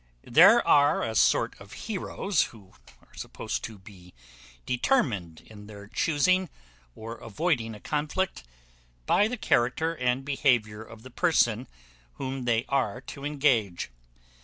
There are a sort of heroes who are supposed to be determined in their chusing or avoiding a conflict by the character and behaviour of the person whom they are to engage.